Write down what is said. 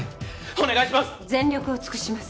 お願いします！